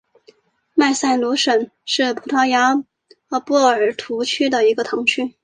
曼塞卢什是葡萄牙波尔图区的一个堂区。